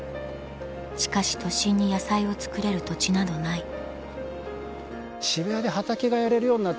しかし都心に野菜を作れる土地などないいいなって。